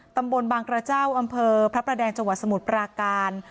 ตำบลบางกระเจ้าอำเภอพระประแดงจังหวัดสมุทรปราการ